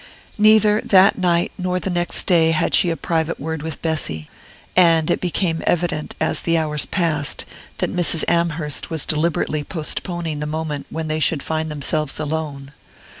Neither that night nor the next day had she a private word with Bessy and it became evident, as the hours passed, that Mrs. Amherst was deliberately postponing the moment when they should find themselves alone.